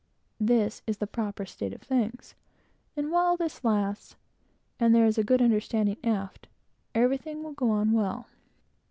This is the proper state of things, and while this lasts, and there is a good understanding aft, everything will go on well.